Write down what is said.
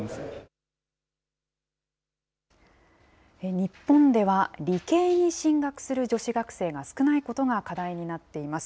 日本では、理系に進学する女子学生が少ないことが課題になっています。